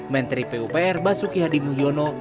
menteri pupr basuki hadi mulyono